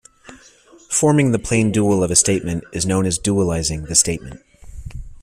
Forming the plane dual of a statement is known as "dualizing" the statement.